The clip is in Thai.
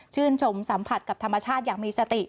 ชมสัมผัสกับธรรมชาติอย่างมีสติ